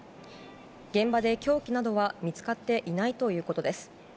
現場で凶器などは見つかっていないということです。